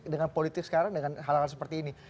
dengan politik sekarang dengan hal hal seperti ini